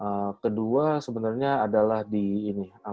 event walaupun company mereka lagi struggling gitu ya